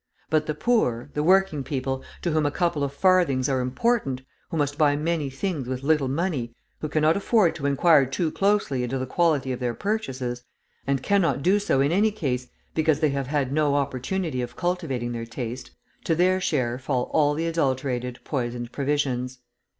But the poor, the working people, to whom a couple of farthings are important, who must buy many things with little money, who cannot afford to inquire too closely into the quality of their purchases, and cannot do so in any case because they have had no opportunity of cultivating their taste to their share fall all the adulterated, poisoned provisions.